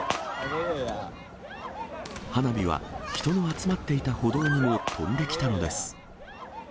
花火は人の集まっていた歩道にも飛んできたのです。